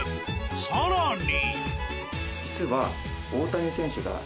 更に。